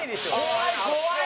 怖い怖い！